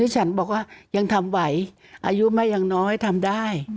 ฉันบอกว่ายังทำไหวอายุไม่ยังน้อยทำได้